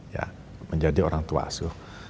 ya menjadi orang tua asuh